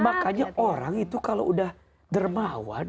makanya orang itu kalau udah dermawan